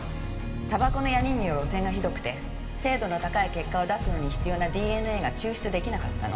たばこのヤニによる汚染がひどくて精度の高い結果を出すのに必要なＤＮＡが抽出出来なかったの。